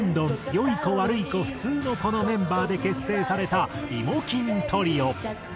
良い子悪い子普通の子』のメンバーで結成されたイモ欽トリオ。